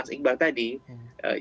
pertanyaan mas iqbal tadi